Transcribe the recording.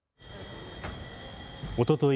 おととい